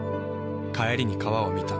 帰りに川を見た。